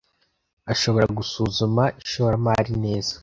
Ashobora gusuzuma ishoramari neza.